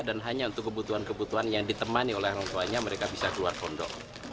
dan hanya untuk kebutuhan kebutuhan yang ditemani oleh orang tuanya mereka bisa keluar pondok